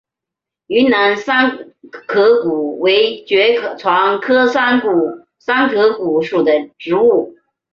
云南山壳骨为爵床科山壳骨属的植物。